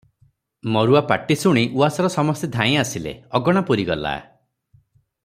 ମରୁଆ ପାଟି ଶୁଣି ଉଆସର ସମସ୍ତେ ଧାଇଁ ଆସିଲେ, ଅଗଣା ପୂରିଗଲା ।